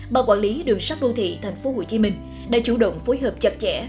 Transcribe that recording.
bà quản lý đường sắt đô thị tp hcm đã chủ động phối hợp chặt chẽ